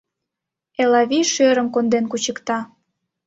Элавий шӧрым конден кучыкта.